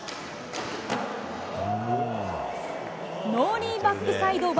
ノーリーバックサイド１８０